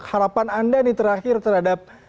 harapan anda terakhir terhadap